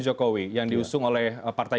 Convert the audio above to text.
jokowi yang diusung oleh partai